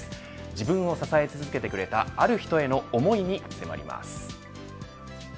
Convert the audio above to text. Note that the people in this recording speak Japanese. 自分を支え続けてくれたある人への思いに迫ります。